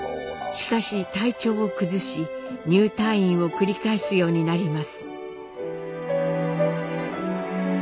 しかし体調を崩し入退院を繰り返すようになります。